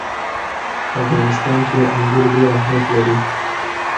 په افغانستان کې انګور ډېر اهمیت لري.